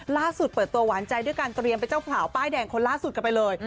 เปิดตัวหวานใจด้วยการเตรียมเป็นเจ้าสาวป้ายแดงคนล่าสุดกันไปเลย